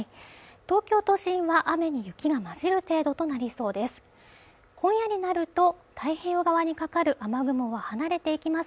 東京都心は雨に雪が交じる程度となりそうです